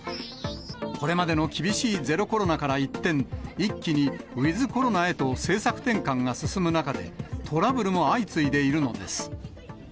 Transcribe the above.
これまでの厳しいゼロコロナから一転、一気にウィズコロナへと政策転換が進む中で、トラブルも相次いでいるのです。